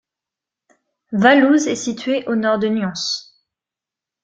Valouse est située à au nord de Nyons.